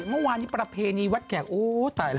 เมื่อวานีประเพณีวัดแกกอู๊